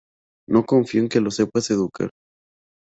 no confío en que los sepas educar